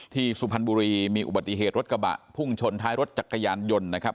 สุพรรณบุรีมีอุบัติเหตุรถกระบะพุ่งชนท้ายรถจักรยานยนต์นะครับ